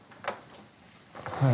はい。